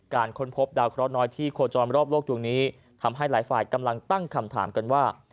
ค้นพบดาวเคราะห์น้อยที่โคจรรอบโลกดวงนี้ทำให้หลายฝ่ายกำลังตั้งคำถามกันว่า